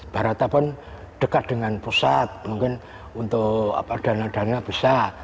barata pun dekat dengan pusat mungkin untuk dana dana bisa